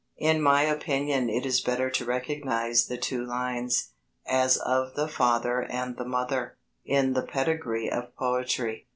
In my opinion it is better to recognize the two lines, as of the father and the mother, in the pedigree of poetry.